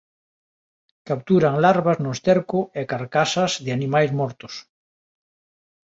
Capturan larvas no esterco e carcasas de animais mortos.